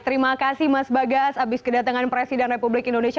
terima kasih mas bagas abis kedatangan presiden republik indonesia